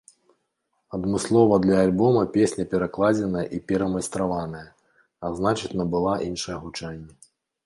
Адмыслова для альбома песня перакладзеная і перамайстраваная, а значыць набыла іншае гучанне.